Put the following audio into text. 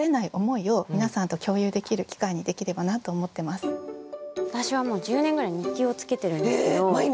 今日はそんな私はもう１０年ぐらい日記をつけてるんですけど。